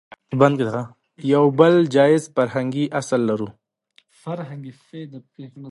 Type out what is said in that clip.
يو بل جايز فرهنګي اصل لرو